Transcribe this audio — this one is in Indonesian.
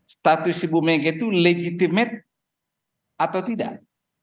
status ibu mega itu legitimate atau tidak